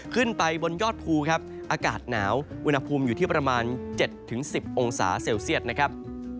ขึ้นไปบนยอดภูครับอากาศหนาวอุณหภูมิอยู่ที่ประมาณ๗๑๐องศาเซลเซียตนะครับ